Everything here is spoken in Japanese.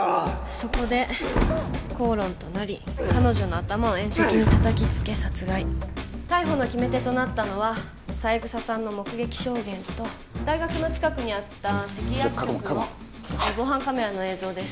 そこで口論となり彼女の頭を縁石にたたきつけ殺害逮捕の決め手となったのは三枝さんの目撃証言と大学の近くにあったセキ薬局の防犯カメラの映像です